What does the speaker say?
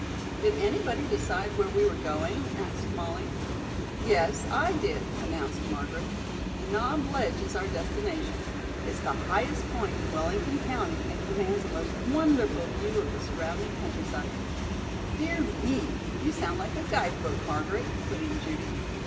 "Did anybody decide where we were going?" asked Molly. "Yes, I did," announced Margaret. "Knob Ledge is our destination. It's the highest point in Wellington County and commands a most wonderful view of the surrounding country side " "Dear me, you sound like a guide book, Margaret," put in Judy.